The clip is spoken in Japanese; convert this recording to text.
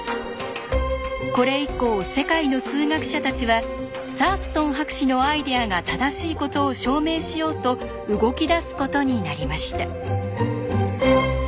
これ以降世界の数学者たちはサーストン博士のアイデアが正しいことを証明しようと動き出すことになりました。